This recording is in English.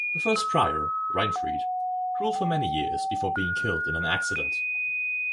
The first prior, Reinfrid, ruled for many years before being killed in an accident.